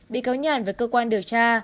bị cáo nhàn với cơ quan điều tra